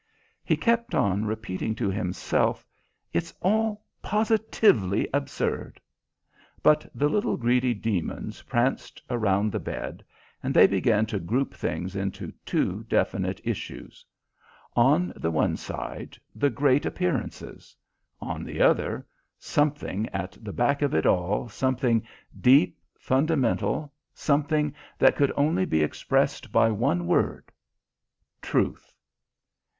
He kept on repeating to himself, "It's all positively absurd!" But the little greedy demons pranced around the bed, and they began to group things into two definite issues. On the one side, the great appearances; on the other, something at the back of it all, something deep, fundamental, something that could only be expressed by one word truth.